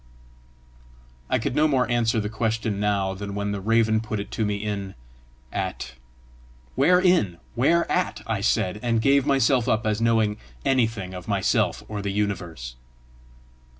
I could no more answer the question now than when the raven put it to me in at "Where in? where at?" I said, and gave myself up as knowing anything of myself or the universe.